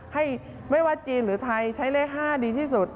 ให้ไม่ว่าจีนหรือไทยใช้เลข๕ดีที่สุด